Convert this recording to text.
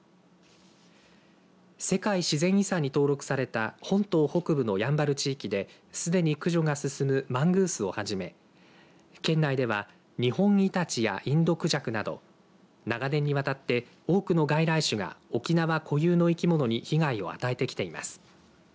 世界自然遺産に登録された本島北部のやんばる地域ですでに駆除が進むマングースをはじめ県内では、ニホンイタチやインドクジャクなど長年にわたって多くの外来種が沖縄固有の生き物に被害を与えてきています。